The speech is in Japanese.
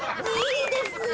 いいですよ。